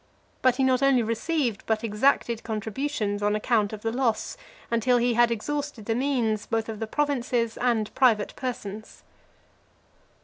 But he not only received, but exacted contributions on account of the loss, until he had exhausted the means both of the provinces and private persons.